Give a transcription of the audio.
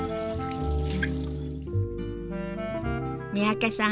三宅さん